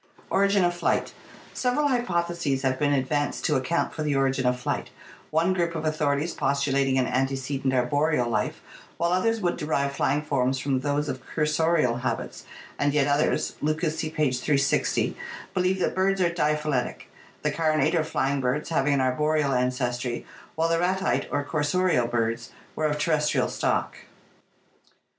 Origin of Flight Several hypotheses have been advanced to account for the origin of flight, one group of authorities postulating an antecedent arboreal life, while others would derive flying forms from those of BEAKED DINOSAURS AND ORIGIN OF BIRDS 533 cursorial habits, and yet others (Lucas, see page 360) believe that the birds are diphyletic, the carinate or flying birds having an arboreal ancestry while the ratite or cursorial birds were of ter restrial stock.